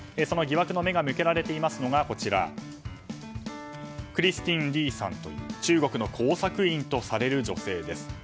その疑惑の目が向けられていますのがクリスティン・リーさんという中国の工作員とされる女性です。